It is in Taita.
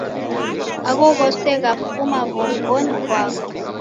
Agho ghose ghafuma w'ongonyi ghwako.